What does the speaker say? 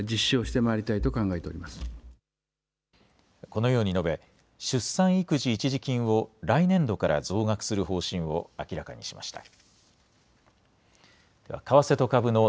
このように述べ出産育児一時金を来年度から増額する方針を明らかにしました。